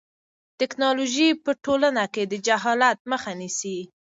ټیکنالوژي په ټولنه کې د جهالت مخه نیسي.